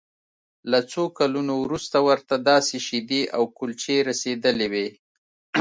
له څو کلونو وروسته ورته داسې شیدې او کلچې رسیدلې وې